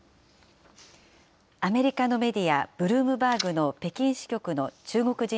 アメリカのメディア、ブルームバーグの北京支局の中国人